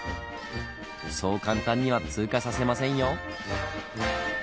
そう簡単には通過させませんよ。